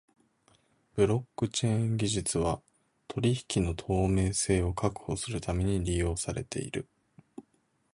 ブロックチェーン技術は取引の透明性を確保するために利用されている。